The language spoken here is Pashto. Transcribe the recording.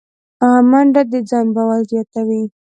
منډه د ځان باور زیاتوي